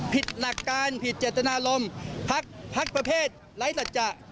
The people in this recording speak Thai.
ผิดหลักการผิดเจตนารมณ์พักประเภทไร้สัจจะ